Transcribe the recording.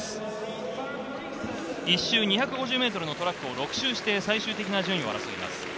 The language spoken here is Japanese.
１周２５０ｍのトラックを６周して最終的な順位を争います。